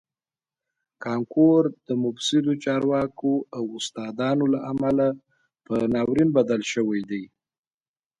کانکور د مفسدو چارواکو او استادانو له امله په ناورین بدل شوی دی